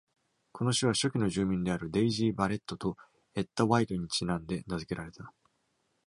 この市は、初期の住民である Daisy Barrett と Etta White にちなんで名づけられた。